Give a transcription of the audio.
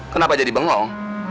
kenapa jadi bengong